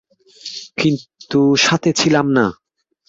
কিন্তু সাথে ছিলাম না।